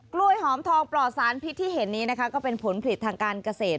กล้วยหอมทองปลอดสารพิษที่เห็นนี้นะคะก็เป็นผลผลิตทางการเกษตร